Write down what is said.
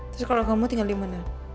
terus kalau kamu tinggal dimana